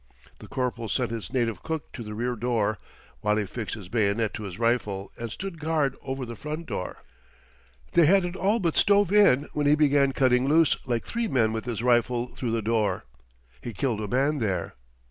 The corporal sent his native cook to the rear door, while he fixed his bayonet to his rifle and stood guard over the front door. They had it all but stove in when he began cutting loose like three men with his rifle through the door. He killed a man there.